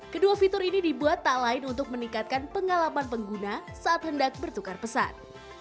kedua fitur ini dibuat tak lain untuk meningkatkan pengalaman pengguna saat hendak bertukar pesan